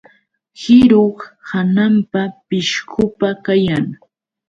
Qirup hawampa pishqupa kayan.